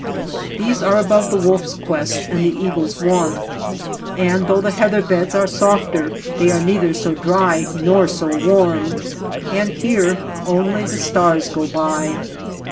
These are above the wolf's quest and the eagle's wont, and though the heather beds are softer, they are neither so dry nor so warm, and here only the stars go by.